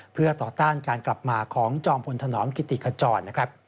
เพื่อต่อต้านการกลับมาของจอมพลธนอมกิติขจรนะครับ